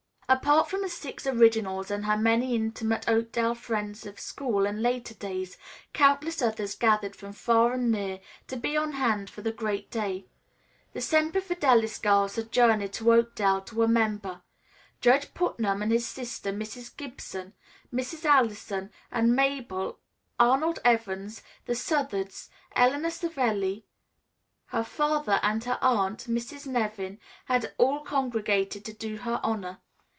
Apart from the Six Originals and her many intimate Oakdale friends of school and later days, countless others gathered from far and near to be on hand for the great day. The Semper Fidelis girls had journeyed to Oakdale to a member. Judge Putnam and his sister, Mrs. Gibson, Mrs. Allison and Mabel, Arnold Evans, the Southards, Eleanor Savelli, her father and her aunt, Miss Nevin, had all congregated to do her honor.